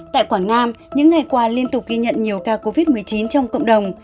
tại quảng nam những ngày qua liên tục ghi nhận nhiều ca covid một mươi chín trong cộng đồng